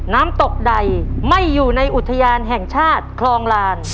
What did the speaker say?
น้ำตกใดไม่อยู่ในอุทยานแห่งชาติคลองลาน